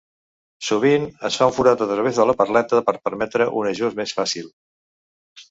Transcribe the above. Sovint, es fa un forat a través de la perleta per permetre un ajust més fàcil.